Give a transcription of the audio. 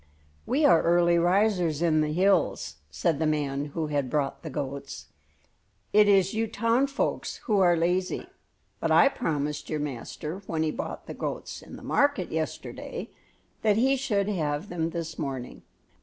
"We are early risers in the hills," said the man who had brought the goats. "It is you town folks who are lazy; but I promised your master when he bought the goats in the market yesterday that he should have them this morning."